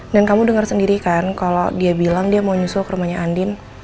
dan kamu dengar sendiri kan kalau dia bilang dia mau nyusul ke rumahnya andin